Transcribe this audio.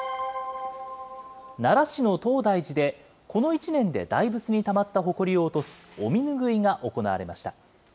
奈良市の東大寺で、この一年で大仏にたまったほこりを落とすお身拭いが行われました。